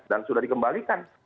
dan sudah dikembalikan